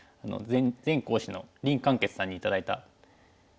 前講師の林漢傑さんに頂いた扇子。